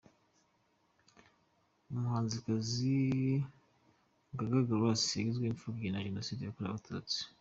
Umuhanzikazi Gaga Grace wagizwe imfubyi na Jenoside yakorewe abatutsi.